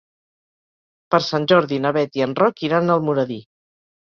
Per Sant Jordi na Beth i en Roc iran a Almoradí.